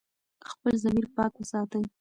خپل ضمیر پاک وساتئ.